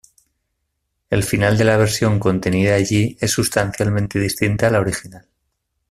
El final de la versión contenida allí es sustancialmente distinta a la original.